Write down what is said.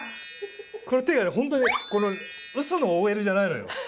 この手がホントにウソのＯＬじゃないのよ。